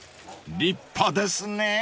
［立派ですねぇ］